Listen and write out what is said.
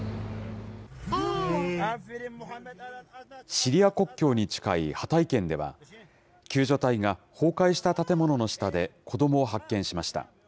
シリア国境に近いハタイ県では、救助隊が崩壊した建物の下で子どもを発見しました。